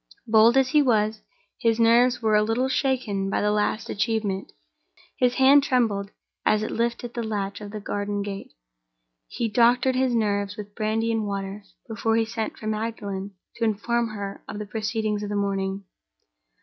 Bold as he was, his nerves were a little shaken by this last achievement; his hand trembled as it lifted the latch of the garden gate. He doctored his nerves with brandy and water before he sent for Magdalen to inform her of the proceedings of the morning.